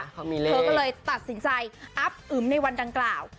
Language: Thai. เธอก็เลยตัดสินใจอับอึมในวันดังกล่าว